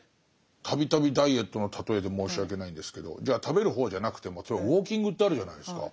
度々ダイエットの例えで申し訳ないんですけど食べる方じゃなくても例えばウォーキングってあるじゃないですか。